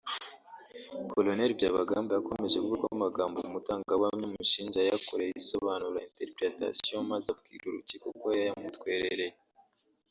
Col Byabagamba yakomeje kuvuga ko amagambo umutangabuhamya amushinja yayakoreye isobanura ‘interpretation’ maze abwira urukiko ko yayamutwerereye